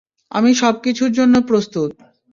আমি সবকিছুর জন্য প্রস্তুত।